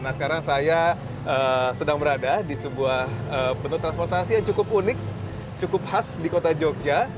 nah sekarang saya sedang berada di sebuah bentuk transportasi yang cukup unik cukup khas di kota jogja